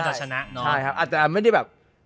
อาจจะไม่ได้แบบ